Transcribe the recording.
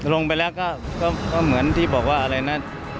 ลงไปแล้วก็เหมือนที่บอกว่าอะไรนะ